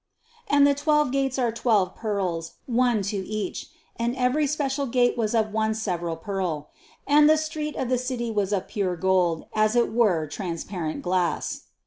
21. And the twelve gates are twelve pearls, one to each; and every special gate was of one several pearl; and the street of the city was of pure gold, as it were transparent glass.